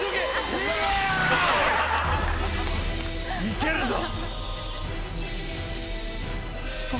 いけるぞ。